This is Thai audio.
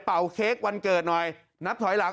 เค้กวันเกิดหน่อยนับถอยหลัง